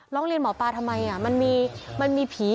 ร้องเรียนหมอปลาทำไมมันมีผี